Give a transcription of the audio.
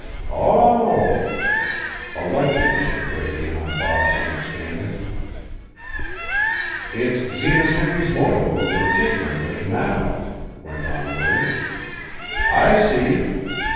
"Oh!" A light began to break in on Bob's understanding. "It's Zenas Henry's motor boat we're tinkerin' with now," went on Willie. "I see!"